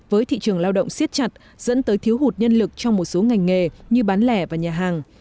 với thị trường lao động siết chặt dẫn tới thiếu hụt nhân lực trong một số ngành nghề như bán lẻ và nhà hàng